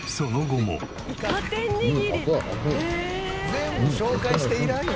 「全部紹介していらんよ